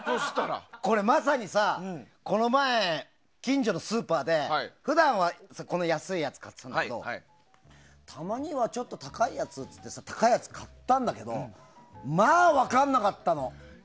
まさにこの前、近所のスーパーで普段は安いやつ買ってたんだけどたまにはちょっと高いやつをって高いやつを買ったんだけどまあ分かんなかったの。